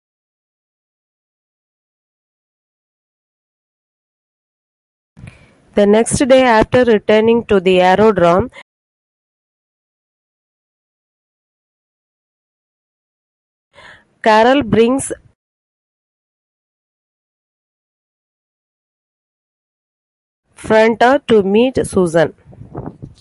The next day, after returning to the aerodrome, Karel brings Franta to meet Susan.